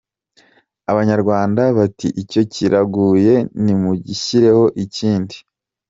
Abanyarwanda, bati "Icyo kiraguye nimushyireho ikindi.